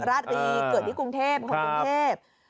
ราศรีเกิดที่กรุงเทพครับ